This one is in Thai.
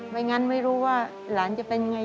งั้นไม่รู้ว่าหลานจะเป็นยังไง